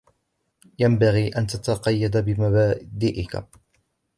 ينبغي أن تتقيد بمبادئك.